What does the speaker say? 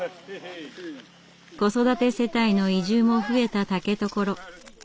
子育て世帯の移住も増えた竹所。